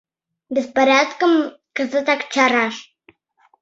Беспорядкым кызытак чараш!